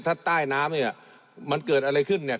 ถ้าใต้น้ำเนี่ยมันเกิดอะไรขึ้นเนี่ย